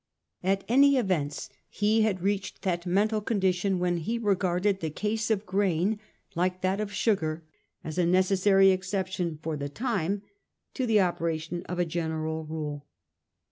At all events he had reached that mental condition when he regarded the case of grain, like that of sugar, as a necessary exception for the time to the operation of a general rule.